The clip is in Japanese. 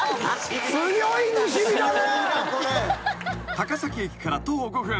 ［高崎駅から徒歩５分］